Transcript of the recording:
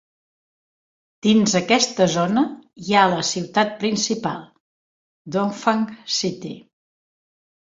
Dins aquesta zona hi ha la ciutat principal, Dongfang City.